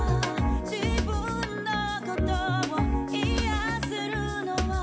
「自分のことを癒せるのは」